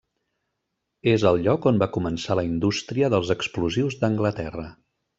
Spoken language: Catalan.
És el lloc on va començar la indústria dels explosius d'Anglaterra.